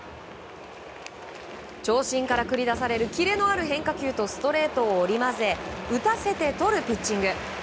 長身から繰り出されるキレのある変化球とストレートを織り交ぜ打たせてとるピッチング。